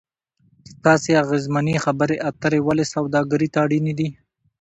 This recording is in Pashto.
ستاسې اغیزمنې خبرې اترې ولې سوداګري ته اړینې دي ؟